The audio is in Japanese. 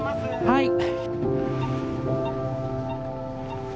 はい。